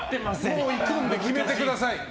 もういくんで決めてください！